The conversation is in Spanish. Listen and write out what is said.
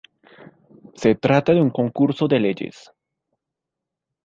Se trata de un concurso de leyes.